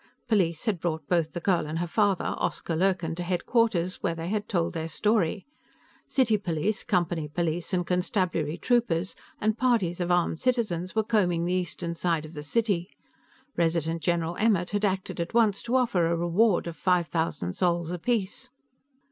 Police had brought both the girl and her father, Oscar Lurkin, to headquarters, where they had told their story. City police, Company police and constabulary troopers and parties of armed citizens were combing the eastern side of the city; Resident General Emmert had acted at once to offer a reward of five thousand sols apiece....